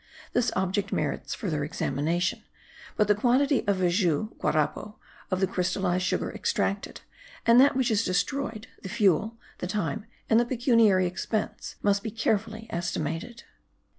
This object merits further examination; but the quantity of vezou (guarapo) of the crystallized sugar extracted, and that which is destroyed, the fuel, the time and the pecuniary expense, must be carefully estimated.